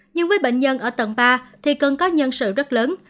nhưng với bệnh nhân ở tầng ba thì cần có nhân sự rất lớn